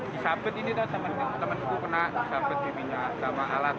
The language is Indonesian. disabet ini temenku kena disabet di minyak sama alat